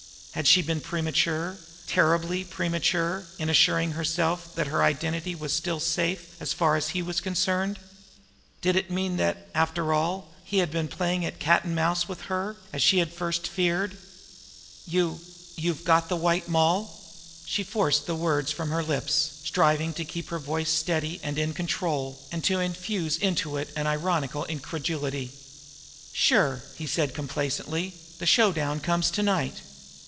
Had she been premature, terribly premature, in assuring herself that her identity was still safe as far as he was concerned? Did it mean that, after all, he had been playing at cat and mouse with her, as she had at first feared? "You you've got the White Moll?" She forced the words from her lips, striving to keep her voice steady and in control, and to infuse into it an ironical incredulity. "Sure!" he said complacently. "The showdown comes to night.